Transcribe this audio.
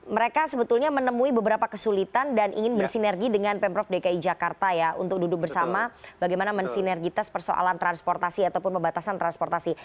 mereka sebetulnya menemui beberapa kesulitan dan ingin bersinergi dengan pemprov dki jakarta ya untuk duduk bersama bagaimana mensinergitas persoalan transportasi ataupun pembatasan transportasi